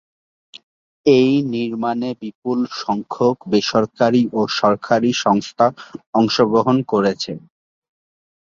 এর নির্মাণে বিপুল সংখ্যক বেসরকারি ও সরকারি সংস্থা অংশগ্রহণ করেছে।